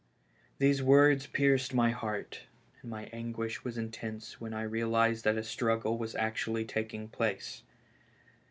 These words pierced my heart, and my anguish was intense when I realized that a struggle was actually taking place.